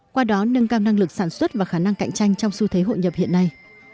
qua đó nâng cao năng lực sản xuất và khả năng cạnh tranh trong xu thế hội nhập hiện nay